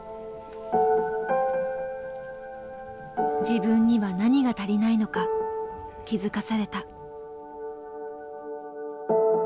自分には何が足りないのか気付かされた。